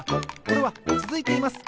これはつづいています！